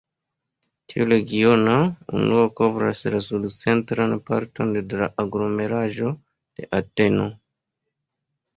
Tiu regiona unuo kovras la sud-centran parton de la aglomeraĵo de Ateno.